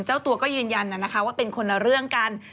เจ้าตัวก็ยืนยันนะคะว่าเป็นคนละเรื่องกัน